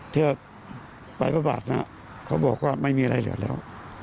เที่ยวไปพระบาทนะเขาบอกว่าไม่มีอะไรเหลือแล้ว